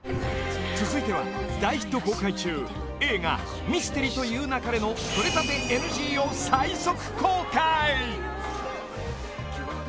［続いては大ヒット公開中映画『ミステリと言う勿れ』の撮れたてＮＧを最速公開］